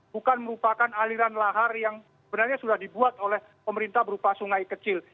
bukan merupakan aliran lahar yang sebenarnya sudah dibuat oleh pemerintah berupa sungai kecil